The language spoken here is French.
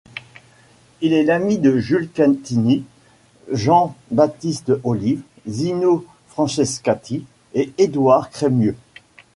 Il est l'ami de Jules Cantini, Jean-Baptiste Olive, Zino Francescatti et Édouard Crémieux.